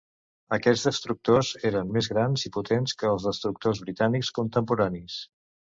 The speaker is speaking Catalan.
Aquests destructors eren més grans i potents que els destructors britànics contemporanis.